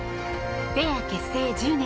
ペア結成１０年。